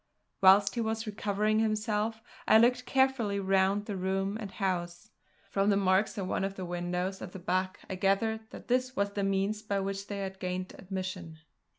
Whilst he was recovering himself I looked carefully round the room and house. From the marks at one of the windows at the back I gathered that this was the means by which they had gained admission.